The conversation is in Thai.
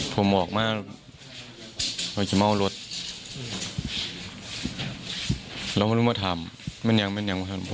พ่อครับเสียใจครับ